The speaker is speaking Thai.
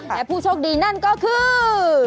และผู้โชคดีนั่นก็คือ